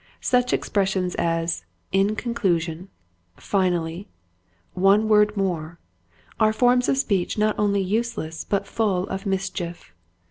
Such expressions as, "In conclusion," "finally," " one word more," are forms of speech not only useless but full of mischief.